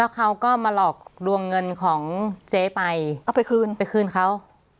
เขาก็มาหลอกลวงเงินของเจ๊ไปเอาไปคืนไปคืนเขา